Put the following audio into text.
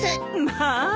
まあ。